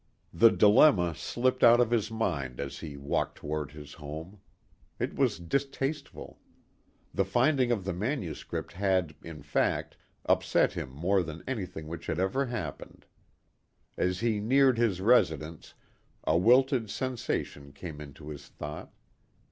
The dilemma slipped out of his mind as he walked toward his home. It was distasteful. The finding of the manuscript had, in fact, upset him more than anything which had ever happened. As he neared his residence a wilted sensation came into his thought.